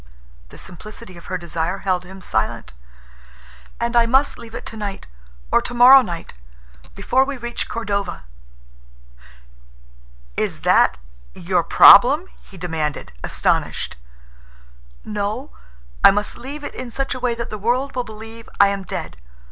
The simplicity of her desire held him silent. "And I must leave it tonight, or tomorrow night—before we reach Cordova." "Is that—your problem?" he demanded, astonished. "No. I must leave it in such a way that the world will believe I am dead.